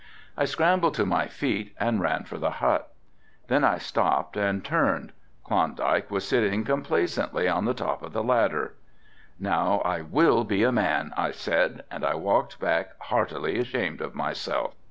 I scrambled to my feet and ran for the hut. Then I stopped and turned, Klondike was sitting complacently on the top of the ladder. "Now I will be a man," I said, and I walked back heartily ashamed of myself.